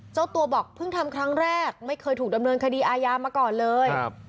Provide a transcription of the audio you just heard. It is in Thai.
เจ้าตัวบอกเพิ่งทำครั้งแรกไม่เคยถูกดำเนินคดีอาญามาก่อนเลย